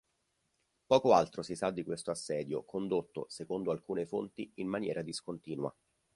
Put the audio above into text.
Poco altro si sa di questo assedio, condotto, secondo alcune fonti, in maniera discontinua.